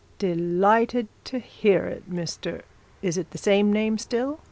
'Delighted to hear it, Mr. Is it the same name still?'